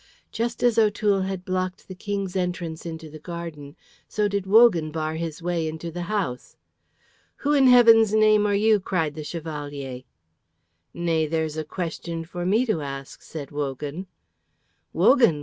Just as O'Toole had blocked the King's entrance into the garden, so did Wogan bar his way into the house. "Who, in Heaven's name, are you?" cried the Chevalier. "Nay, there's a question for me to ask," said Wogan. "Wogan!"